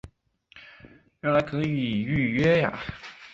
原来可以预约呀